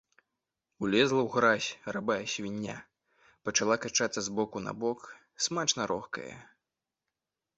Улезла ў гразь рабая свіння, пачала качацца з боку на бок, смачна рохкае.